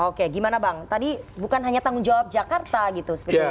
oke gimana bang tadi bukan hanya tanggung jawab jakarta gitu sebenarnya